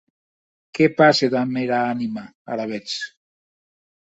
Qué passe damb era anima, alavetz?